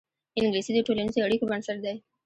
انګلیسي د ټولنیزو اړیکو بنسټ دی